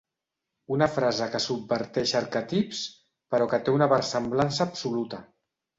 Una frase que subverteix arquetips però que té una versemblança absoluta.